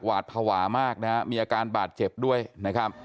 หวาดภาวะมากนะฮะมีอาการบาดเจ็บด้วยนะครับ